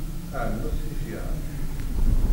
Rrnut tifyar.